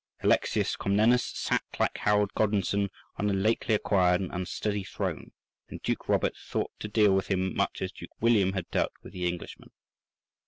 Alexius Comnenus sat like Harold Godwinson on a lately acquired and unsteady throne, and Duke Robert thought to deal with him much as Duke William had dealt with the Englishman.